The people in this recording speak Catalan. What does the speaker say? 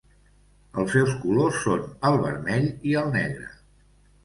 Els seus colors són el vermell i el negre.